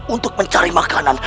untuk mencari makanan